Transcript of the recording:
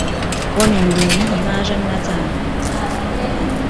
وَمِنْ دُونِهِمَا جَنَّتَانِ